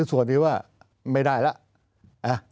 ส่วนที่ว่าไม่ได้แล้ว